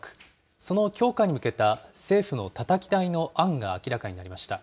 その強化に向けた政府のたたき台の案が明らかになりました。